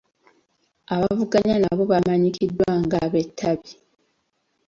Abavuganya nabo bamanyikiddwa nga abeetabi.